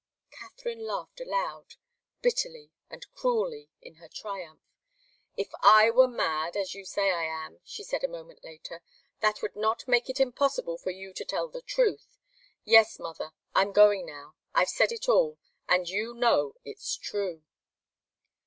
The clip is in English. Katharine laughed aloud, bitterly and cruelly, in her triumph. "If I were mad, as you say I am," she said, a moment later, "that would not make it impossible for you to tell the truth. Yes, mother I'm going now. I've said it all and you know it's true."